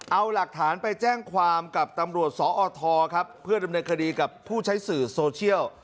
เอาหลักฐานไปแจ้งความกับตำรวจสอทครับเพื่อดำเนินคดีกับผู้ใช้สื่อโซเชียล